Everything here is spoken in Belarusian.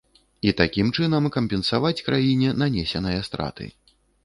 І такім чынам кампенсаваць краіне нанесеныя страты.